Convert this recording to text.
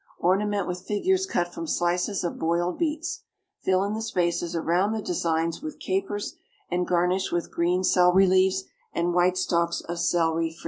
Ornament with figures cut from slices of boiled beets. Fill in the spaces around the designs with capers, and garnish with green celery leaves and white stalks of celery, fringed.